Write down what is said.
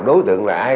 đối tượng là ai